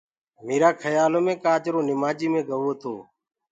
ميرآ کيآلو مي ڪآجرو نمآجيٚ مي گوو تو